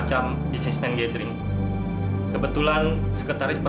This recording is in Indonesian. kamu ninggal sadria